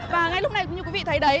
và ngay lúc này như quý vị thấy đấy